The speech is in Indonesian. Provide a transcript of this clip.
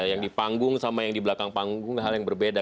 yang di panggung sama yang di belakang panggung hal yang berbeda